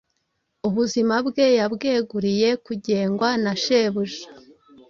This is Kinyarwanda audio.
ubuzima bwe yabweguriye kugengwa na shebuja